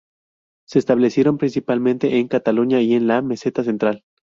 Se establecieron principalmente en Cataluña y en la Meseta Central.